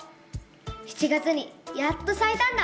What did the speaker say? ７月にやっとさいたんだ！